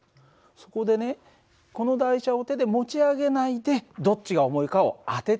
そこでねこの台車を手で持ち上げないでどっちが重いかを当ててほしいの。